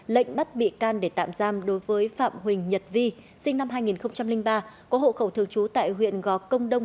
lệnh bắt bị can để tạm giam đối với phạm huỳnh nhật vi sinh năm hai nghìn ba có hộ khẩu thường trú tại huyện gò công đông